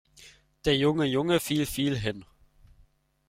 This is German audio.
Der junge Junge fiel viel hin.